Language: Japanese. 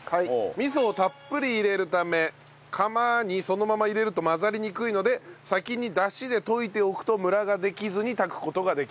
味噌をたっぷり入れるため釜にそのまま入れると混ざりにくいので先にダシで溶いておくとムラができずに炊く事ができる。